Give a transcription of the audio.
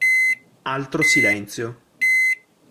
Altro silenzio.